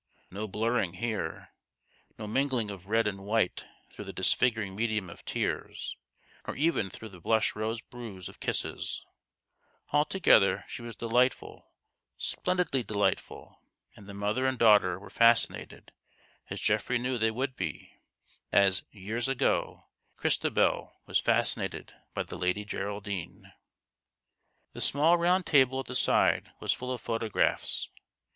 No blurring here ; no mingling of red and white through the dis figuring medium of tears, nor even through the blush rose bruise of kisses ! Altogether she THE GHOST OF THE PAST. 171 was delightful splendidly delightful ; and the mother and daughter were fascinated, as Geoffrey knew they would be as, years ago, Christabel was fascinated by the Lady Geraldine. The small round table at the side Was full of photographs.